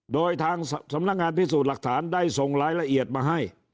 โดยทางสำนักงานพิสูจน์หลักฐานได้ส่งรายละเอียดมาให้